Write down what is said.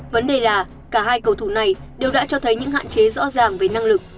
vấn đề là cả hai cầu thủ này đều đã cho thấy những hạn chế rõ ràng về năng lực